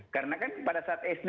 karena kan pada saat sd